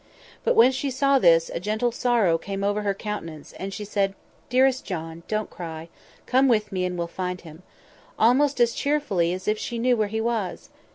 But when she saw this, a gentle sorrow came over her countenance, and she said, 'Dearest John! don't cry; come with me, and we'll find him,' almost as cheerfully as if she knew where he was.